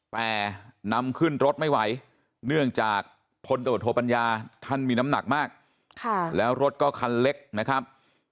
แต่นำขึ้นรถไม่ไหวเนื่องจากพลตรวจโทปัญญาท่านมีน้ำหนักมากแล้วรถก็คันเล็กนะครับ